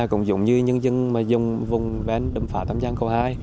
trong vùng ven đầm phá thám giang cầu hai